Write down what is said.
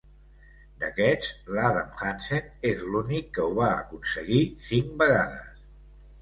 D'aquests, l'Adam Hansen és l'únic que ho va aconseguir cinc vegades.